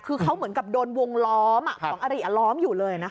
คือเขาเหมือนกับโดนวงล้อมของอริล้อมอยู่เลยนะคะ